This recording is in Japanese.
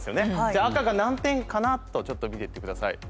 じゃあ赤が何点かなとちょっと見ていってください。